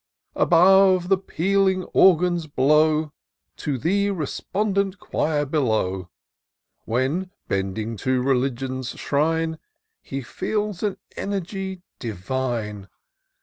Above, the pealing organs blow To the respondent choir below ; When, bending to Religion's shrine, He feels an energy divine.